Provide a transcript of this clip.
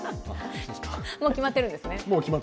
もう決まっているんです。